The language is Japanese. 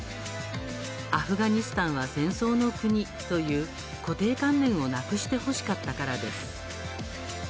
アフガニスタンは戦争の国という固定観念をなくしてほしかったからです。